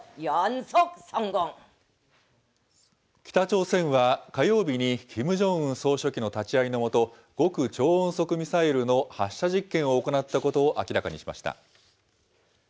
北朝鮮は火曜日にキム・ジョンウン総書記の立ち会いのもと、極超音速ミサイルの発射実験を行ったことを明らかにしました。